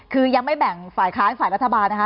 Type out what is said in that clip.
คือยังไม่แบ่งฝ่ายค้านฝ่ายรัฐบาลนะคะ